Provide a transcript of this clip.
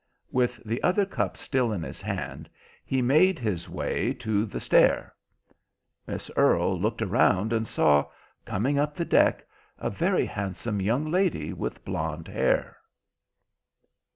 With the other cup still in his hand, he made his way to the stair. Miss Earle looked around and saw, coming up the deck, a very handsome young lady with blonde hair.